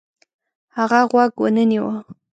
هغه غوږ ونه نیوه.